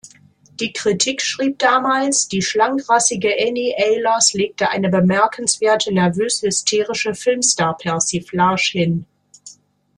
Die Kritik schrieb damals: „Die schlank-rassige Anny Ahlers legt eine bemerkenswerte nervös-hysterische Filmstar-Persiflage hin.